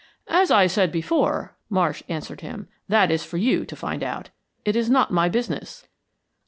"As I said before," Marsh answered him, "that is for you to find out. It is not my business."